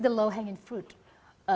tapi kami merasa